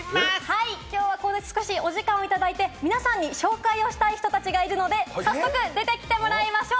きょうはここで少しお時間をいただいて、皆さんに紹介したい人たちがいるので早速、出てきてもらいましょう。